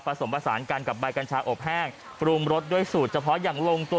ผสมผสานกันกับใบกัญชาอบแห้งปรุงรสด้วยสูตรเฉพาะอย่างลงตัว